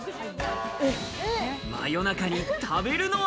真夜中に食べるのは？